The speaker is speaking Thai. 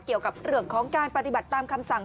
เกี่ยวกับเรื่องของการปฏิบัติตามคำสั่ง